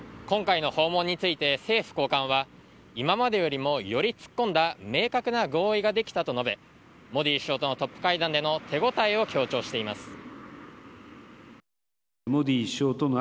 今回の訪問について政府高官は今までよりも、より突っ込んだ明確な合意ができたと述べモディ首相とのトップ会談での手応えを強調しています。